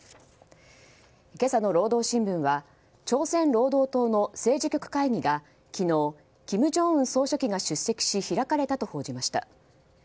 今朝の労働新聞は朝鮮労働党の政治局会議が昨日、金正恩総書記が出席し開かれたと報じました。